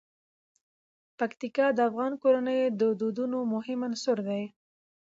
پکتیکا د افغان کورنیو د دودونو مهم عنصر دی.